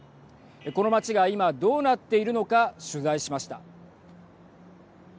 この街が今、どうなっているのか取材しました。